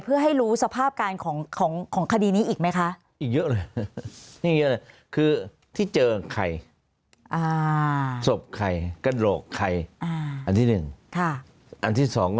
เพื่อให้รู้สภาพการณ์ของของของคดีนี้อีกไหมคะอีกเยอะเลยอีกเยอะเลย